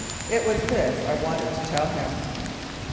It was this I wanted to tell him.